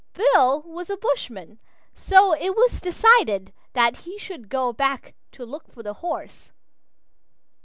Bill was a bushman, so it was decided that he should go back to look for the horse.